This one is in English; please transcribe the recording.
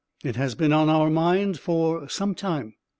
It has been on our mind for some time.